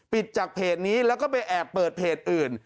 จากเพจนี้แล้วก็ไปแอบเปิดเพจอื่น